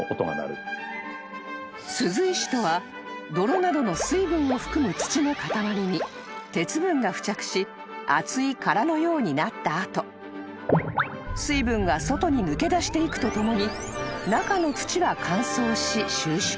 ［鈴石とは泥などの水分を含む土の塊に鉄分が付着し厚い殻のようになった後水分が外に抜け出していくとともに中の土は乾燥し収縮］